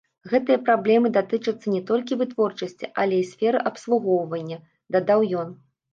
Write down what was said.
Гэтыя праблемы датычацца не толькі вытворчасці, але і сферы абслугоўвання, дадаў ён.